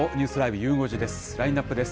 ゆう５時です。